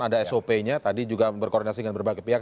ada sop nya tadi juga berkoordinasi dengan berbagai pihak